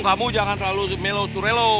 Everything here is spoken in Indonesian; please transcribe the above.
kamu jangan terlalu melo surelo